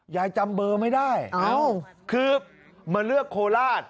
จำเบอร์ไม่ได้คือมาเลือกโคราช